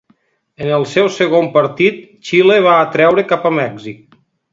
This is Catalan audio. En el seu segon partit, Xile va atreure cap a Mèxic.